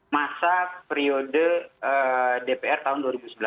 masa periode dpr tahun dua ribu sembilan belas